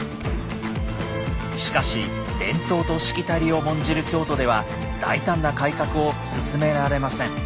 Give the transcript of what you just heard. しかし伝統としきたりを重んじる京都では大胆な改革を進められません。